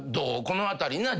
この辺りな。